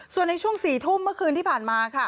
ส่วนในช่วง๔ทุ่มเมื่อคืนที่ผ่านมาค่ะ